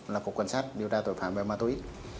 là cục quan sát điều tra tội phạm về ma túi